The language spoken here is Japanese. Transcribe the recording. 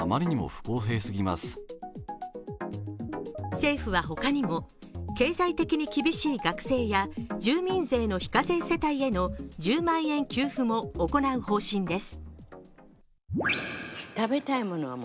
政府はほかにも経済的に厳しい学生や住民税の非課税世帯への１０万円給付も行う方針です。